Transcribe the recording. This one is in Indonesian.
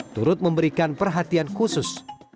turut memberikan perhatian khusus